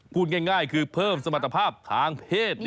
พูดง่ายคือเพิ่มสมรรถภาพทางเพศ